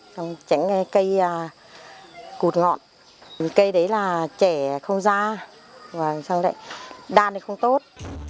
tránh cây cụt ngọn cây đấy là trẻ không già đan thì không tốt